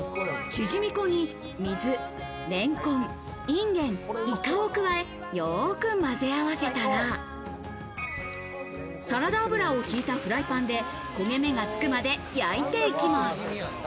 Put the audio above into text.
チヂミ粉に、水、レンコン、インゲン、イカを加え、よくまぜ合わせたら、サラダ油をひいたフライパンで焦げ目がつくまで焼いていきます。